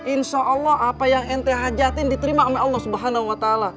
insya allah apa yang ente hajatin diterima oleh allah swt